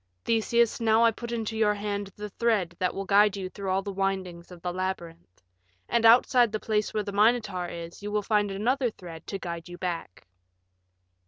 Theseus, now I put into your hand the thread that will guide you through all the windings of the labyrinth. And outside the place where the Minotaur is you will find another thread to guide you back."